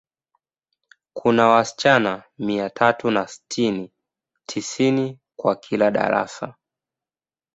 Kuna wasichana mia tatu na sitini, tisini kwa kila darasa.